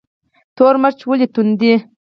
تور مرچ ولې توند دي؟